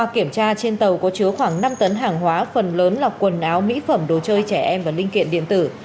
kiểm tra trên tàu có chứa khoảng năm tấn hàng hóa phần lớn là quần áo mỹ phẩm đồ chơi trẻ em và linh kiện điện tử